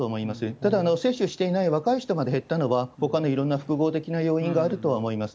ただ、接種していない若い人まで減ったのは、ほかのいろんな複合的な要因があるとは思います。